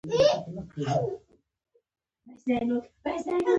د موټر غږ باید نارمل وي.